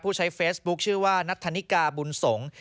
ใช้เฟซบุ๊คชื่อว่านัทธนิกาบุญสงฆ์